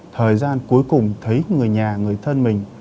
thời gian cuối cùng thấy người nhà người thân mình